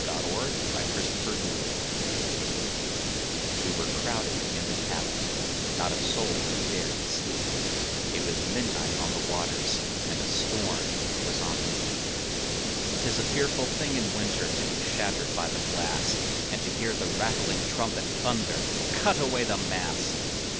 Y Z Ballad of the Tempest WE were crowded in the cabin, Not a soul would dare to sleep, It was midnight on the waters, And a storm was on the deep. 'Tis a fearful thing in winter To be shattered by the blast, And to hear the rattling trumpet Thunder, "Cut away the mast!"